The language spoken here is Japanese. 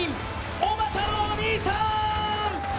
おばたのお兄さん。